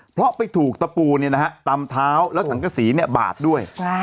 เพราะไปถูกตะปูตำเท้าแล้วสังกษีบาดด้วย